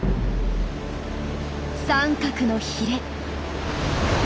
三角のヒレ。